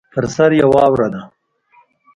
پر سر یې واوره ده.